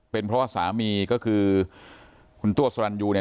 เป็นเพราะว่าสามีก็คือคุณตัวสรรยูเนี่ย